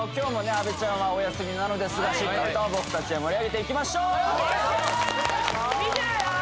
阿部ちゃんはお休みなのですがしっかりと僕達で盛り上げていきましょう見てろよ！